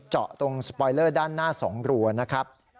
เจาะตรงสปอยเลอร์ด้านหน้า๒รัวนะครับ